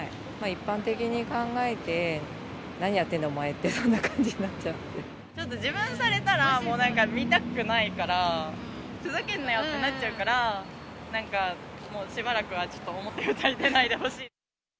一般的に考えて、何やってんだお前って、ちょっと自分されたら、なんか、見たくないから、ふざけんなよってなっちゃうから、なんか、もうしばらくはちょっと、表舞台に出ないでほしい。